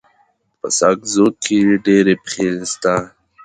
په ساکزو کي ډيري پښي سته.